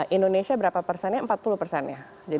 indonesia berapa persennya empat puluh persen ya